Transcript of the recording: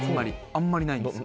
あんまりないんです